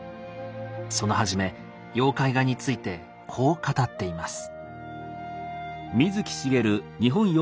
その初め妖怪画についてこう語っています。